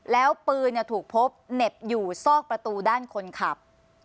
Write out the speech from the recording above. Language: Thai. แล้วปืนถูกพบเหน็บอยู่ซอกประตูด้านคนขับ